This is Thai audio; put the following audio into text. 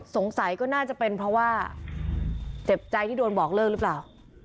สงสัยก็น่าจะเป็นเพราะว่าเจ็บใจที่โดนบอกเลิกหรือเปล่า